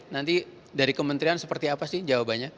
nanti dari kementerian seperti apa sih jawabannya